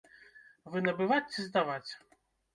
Вы набываць ці здаваць?